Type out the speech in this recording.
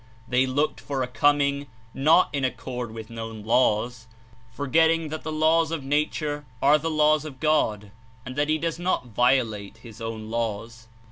They looked for a "Coming" not in accord with known laws, forgetting that the laws of nature are the laws of God, and that he does not violate his own laws.